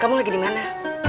kamu lagi di mana